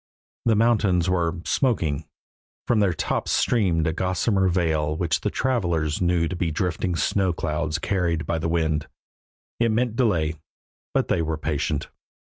The mountains were "smoking"; from their tops streamed a gossamer veil which the travelers knew to be drifting snow clouds carried by the wind. It meant delay, but they were patient.